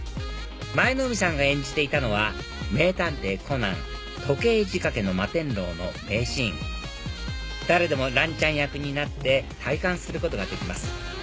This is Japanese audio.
舞の海さんが演じていたのは『名探偵コナン時計じかけの摩天楼』の名シーン誰でも蘭ちゃん役になって体感することができます